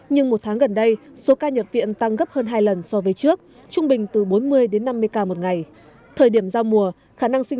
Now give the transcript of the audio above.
nhưng một tháng gần đây số ca nhập viện tăng gấp hơn hai lần so với trước trung bình từ bốn mươi đến năm mươi ca một ngày